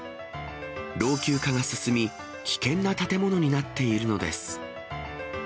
老朽化が進み、危険な建物になっているのです。